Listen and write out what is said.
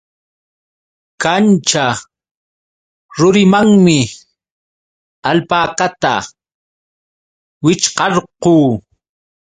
Kanćha rurimanmi alpakata wićhqarqu.